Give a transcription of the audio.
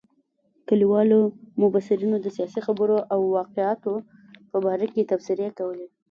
کلیوالو مبصرینو د سیاسي خبرو او واقعاتو په باره کې تبصرې کولې.